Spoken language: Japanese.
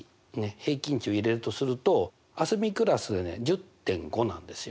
平均値を入れるとするとあすみクラスでね１０．５なんですよ。